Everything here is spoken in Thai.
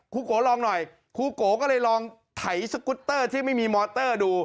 โกลองหน่อยครูโกก็เลยลองไถสกุตเตอร์ที่ไม่มีมอเตอร์ดู